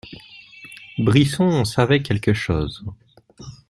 Brisson en savait quelque chose.